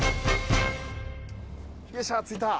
よっしゃ着いた。